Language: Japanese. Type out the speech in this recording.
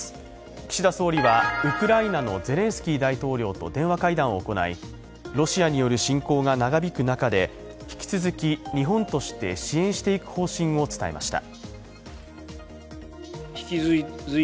岸田総理はウクライナのゼレンスキー大統領と電話会談を行い、ロシアによる侵攻が長引く中で引き続き日本として支援していく方針を伝えました。